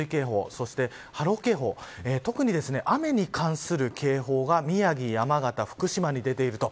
そして、波浪警報特に、雨に関する警報が宮城、山形、福島に出ていると。